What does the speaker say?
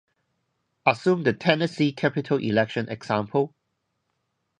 Assume the Tennessee capital election example.